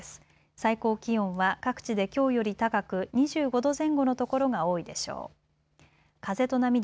最高気温は各地できょうより高く２５度前後の所が多いでしょう。